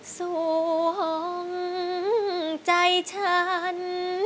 ห่วงใจฉัน